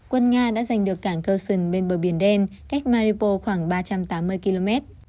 quân nga đã giành được cảng kursyn bên bờ biển đen cách maripos khoảng ba trăm tám mươi km